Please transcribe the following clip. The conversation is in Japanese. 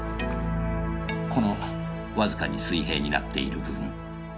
このわずかに水平になっている部分ここです。